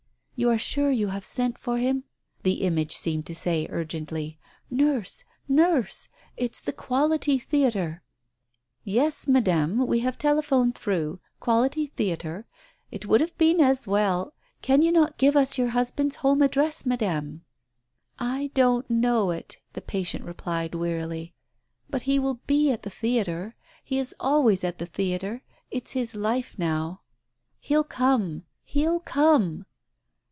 "You are sure you have sent for him?" the image seemed to say urgently. "Nurse! Nurse! It's the ' Quality Theatre '!" "Yes, Madam, we have telephoned through —* Quality Theatre.' It would have been as well ! Can you not give us your husband's home address, Madam ?" "I don't know it," the patient replied wearily. "But he will be at the theatre. He is always at the theatre. It's his life now. He'll come ... he'll come